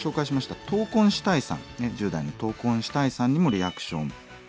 １０代のトウコンしたいさんにもリアクション。